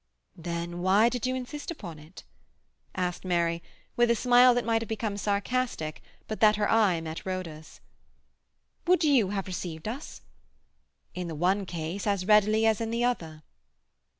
"Then why did you insist upon it?" asked Mary, with a smile that might have become sarcastic but that her eye met Rhoda's. "Would you have received us?" "In the one case as readily as in the other."